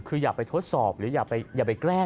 คืออย่าไปทดสอบหรืออย่าไปแกล้ง